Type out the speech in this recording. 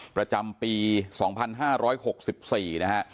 ประจำปีสองพันห้าร้อยหกสิบสี่นะฮะ